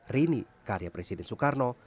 rini karya presiden soekarno